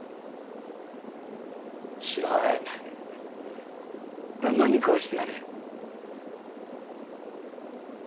白和え旦那に食わせてやれ。